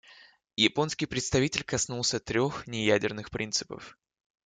Японский представитель коснулся трех неядерных принципов.